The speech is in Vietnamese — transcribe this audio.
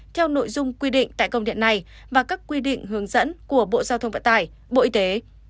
theo nội dung quy định tại công điện này và các quy định hướng dẫn của bộ giao thông vận tải bộ y tế